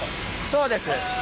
そうです。